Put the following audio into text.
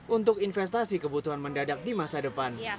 untuk investasi kebutuhan mendadak di masa depan